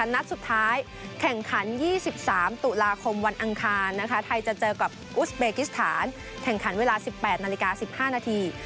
นัดสุดท้ายแข่งขัน๒๓ตุลาคมวันอังคารไทยจะเจอกับอุสเบกิสถานแข่งขันเวลา๑๘นาฬิกา๑๕นาที